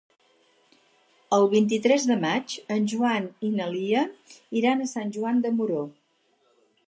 El vint-i-tres de maig en Joan i na Lia iran a Sant Joan de Moró.